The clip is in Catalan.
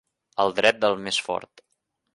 El dret del més fort.